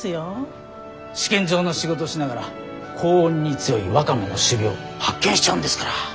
試験場の仕事しながら高温に強いワカメの種苗発見しちゃうんですから。